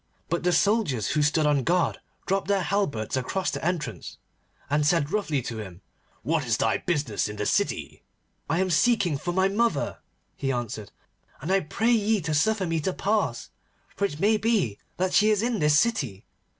But the soldiers who stood on guard dropped their halberts across the entrance, and said roughly to him, 'What is thy business in the city?' 'I am seeking for my mother,' he answered, 'and I pray ye to suffer me to pass, for it may be that she is in this city.